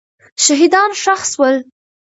شهیدان ښخ سول.